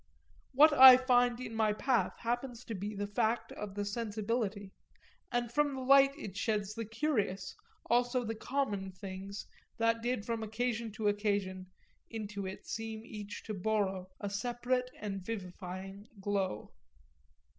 What I find in my path happens to be the fact of the sensibility, and from the light it sheds the curious, as also the common, things that did from occasion to occasion play into it seem each to borrow a separate and vivifying glow.